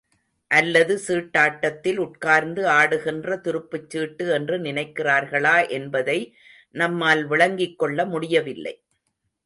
அல்லது சீட்டாட்டத்தில் உட்கார்ந்து ஆடுகின்ற துருப்புச் சீட்டு என்று நினைக்கிறார்களா என்பதை நம்மால் விளங்கிக் கொள்ள முடியவில்லை.